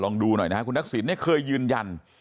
ลองดูหน่อยนะครับคุณทักษิณเคยยืนยัน